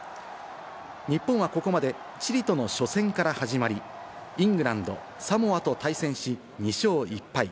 日本はここまでチリとの初戦から始まり、イングランド、サモアと対戦し、２勝１敗。